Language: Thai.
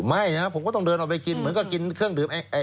ไม่นะผมก็ต้องเดินออกไปกินเหมือนกันกินเครื่องดื่มอย่างอื่น